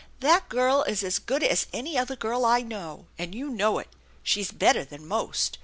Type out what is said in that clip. That girl is as good as any other girl I know, and you know it. She's better than most.